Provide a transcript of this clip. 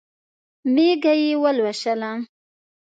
مېږه یې ولوسله.